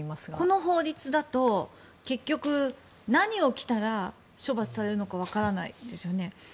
この法律だと結局、何を着たら処罰されるのかわからないですよね。